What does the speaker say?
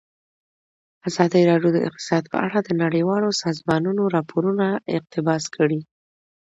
ازادي راډیو د اقتصاد په اړه د نړیوالو سازمانونو راپورونه اقتباس کړي.